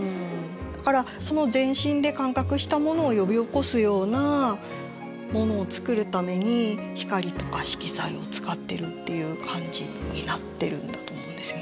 だからその全身で感覚したものを呼び起こすようなものを作るために光とか色彩を使ってるっていう感じになってるんだと思うんですよね。